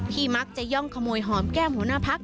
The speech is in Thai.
มักจะย่องขโมยหอมแก้มหัวหน้าพัก